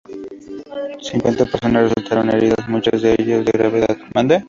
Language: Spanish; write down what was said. Cincuenta personas resultaron heridas, muchas de ellas de gravedad.